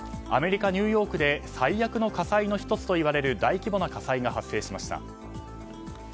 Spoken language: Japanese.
アメリカ・ニューヨークで最悪の火災の１つとも呼ばれる大規模な火災が発生しました。